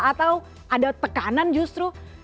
atau ada tekanan justru